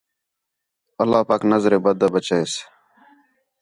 اللہ پاک نظرِ بد بچَئیس